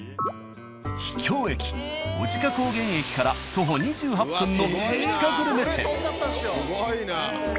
秘境駅男鹿高原駅から徒歩２８分の駅チカグルメ店。